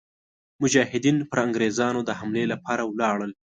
مجاهدین پر انګرېزانو د حملې لپاره ولاړل.